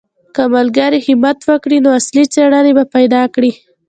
که ملګري همت وکړي نو اصلي څېړنې به پیدا کړي.